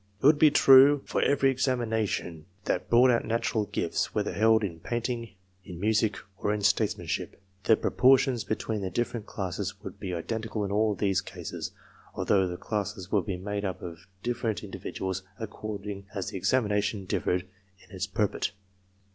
It would be true for every examination that brought out natural gifts, whether held in painting, in music, or in statesmanship. The proportions between the different classes would be identical in all these cases, although the classes would be made up of different individuals, according as the examination differed in its purport.